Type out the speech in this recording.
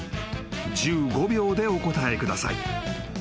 １５秒でお答えください］